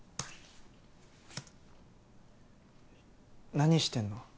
何してんの？